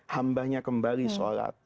hambanya kembali sholat